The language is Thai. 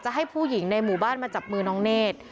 ให้ผู้หญิงในหมู่บ้านมาจับมือน้องเนธ